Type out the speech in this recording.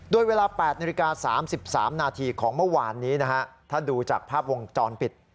ด้วยเวลาแปดนิริกาสามสิบสามนาทีของเมื่อวานนี้นะฮะถ้าดูจากภาพวงจรปิด